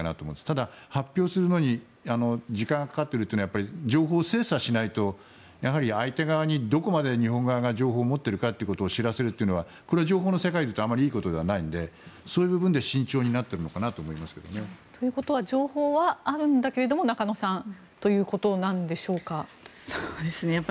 ただ、発表するまでに時間がかかっているというのはやっぱり、情報を精査しないと相手側に、どこまで日本側が情報を持っているかを知らせるのは情報の世界でいうとあまりいいことではないのでそういう部分で慎重になっているのかなと思いますけどね。ということは情報はあるんだけれどもということでしょうか中野さん。